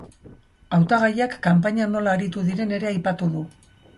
Hautagaiak kanpainan nola aritu diren ere aipatu du.